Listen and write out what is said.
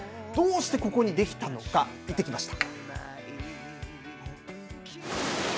どうしてここに出来たのか、行ってきました。